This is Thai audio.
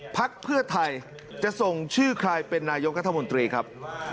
พักเพื่อไทยจะส่งชื่อใครเป็นนายกรัฐมนตรีครับ